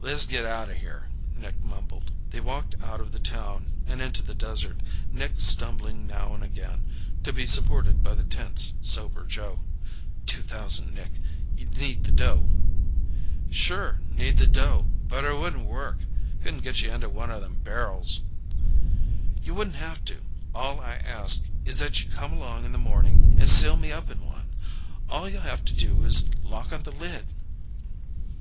"Le's get out o' here," Nick mumbled. They walked out of the town and into the desert, Nick stumbling now and again, to be supported by the tense, sober Joe. "Two thousand, Nick. You need the dough." "Sure. Need the dough. But it wouldn't work. Couldn't get you into one o' them barrels." "You wouldn't have to. All I ask is that you come along in the morning and seal me up in one. All you'll have to do is lock on the lid."